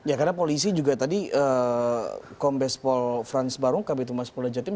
ya karena polisi juga tadi kompes pol frans barung kabinet umar sepuluh jatim